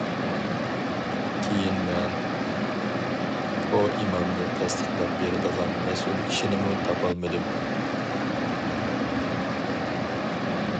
كېيىن مەن پوئېمامنى تەستىقلاپ بېرىدىغان مەسئۇل كىشىنىمۇ تاپالمىدىم.